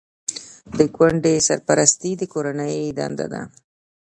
د کونډې سرپرستي د کورنۍ دنده ده.